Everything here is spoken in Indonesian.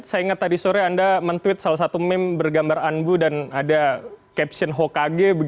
saya ingat tadi sore anda men tweet salah satu meme bergambar unbu dan ada caption hokage